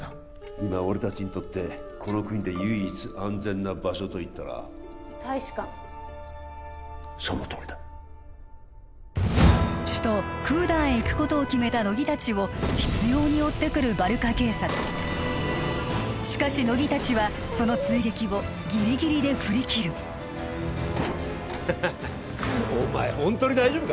今俺達にとってこの国で唯一安全な場所といったら大使館そのとおりだ首都クーダンへ行くことを決めた乃木たちをしつように追ってくるバルカ警察しかし乃木たちはその追撃をギリギリで振り切るハハハお前ホントに大丈夫か？